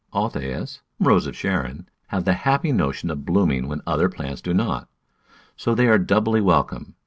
Althaeas (Rose of Sharon) have the happy notion of blooming when other plants do not, so they are doubly welcome.